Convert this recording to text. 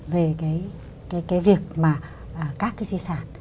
về cái việc mà các cái di sản